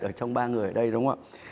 ở trong ba người ở đây đúng không ạ